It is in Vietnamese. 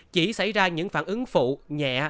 chỉ xảy ra những phản ứng phụ nhẹ